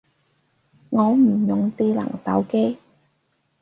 我唔用智能手機